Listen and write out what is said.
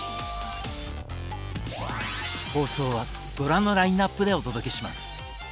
放送はご覧のラインナップでお届けします。